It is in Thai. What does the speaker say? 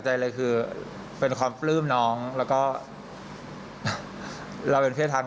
ใจเลยคือเป็นความปลื้มน้องแล้วก็เราเป็นเพศทาง